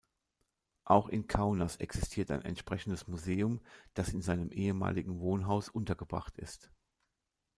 Auch in Kaunas existiert ein entsprechendes Museum, das in seinem ehemaligen Wohnhaus untergebracht ist.